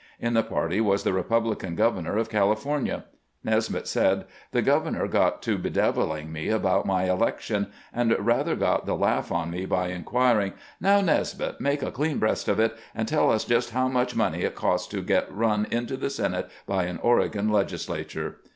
In the party was the Republican governor of California. Nesmith said :" The governor got to deviling me about my election, and rather got the laugh on me by inquiring :' Now, Nesmith, make a clean breast of it, and teU us just how much money it costs to get run into the Senate by an Oregon legislature.'